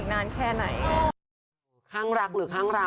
ไม่เขิดหรอ